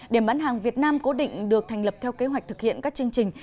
điểm bán hàng việt nam cố định được thành lập theo kế hoạch thực hiện các chương trình